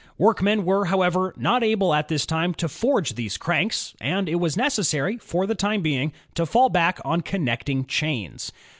Work men were, however, not able at this time to forge these cranks, and it was necessary, for the time being, to fall back on connecting chains.